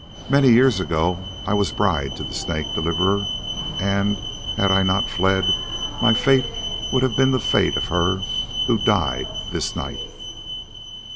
Many years ago I was bride to the Snake, Deliverer, and, had I not fled, my fate would have been the fate of her who died this night."